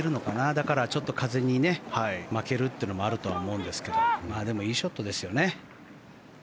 だから、ちょっと風に負けるというのもあると思うんですがでも、いいショットですよね。